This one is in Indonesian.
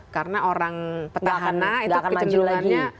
karena orang petahana itu kecenderungannya